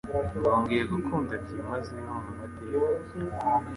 nongeye gukunda byimazeyo!mu mateka